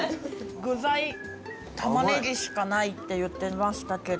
具材玉ねぎしかないって言ってましたけど